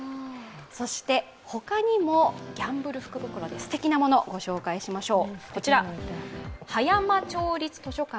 そして他にも、ギャンブル福袋ですてきなもの、ご紹介しましょう。